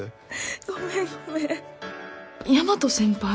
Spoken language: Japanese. ごめんごめん大和先輩！？